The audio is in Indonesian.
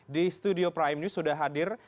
di studio prime news sudah hadir